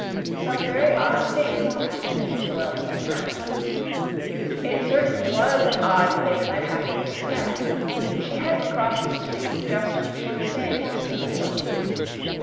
Some very odd things happen in this world sometimes. It certainly was an odd thing that happened to Sara. She had to cross the street just when she was saying this to herself.